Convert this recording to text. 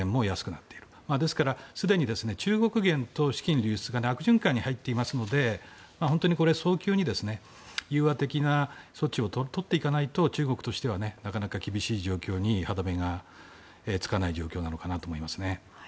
ですからすでに中国元と資金流出が悪循環に入っていますので早急に融和的な措置をとっていかないと中国としてはなかなか厳しい状況に歯止めがつかない状況なのかなと思いますね。